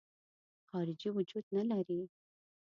خارجي وجود نه لري.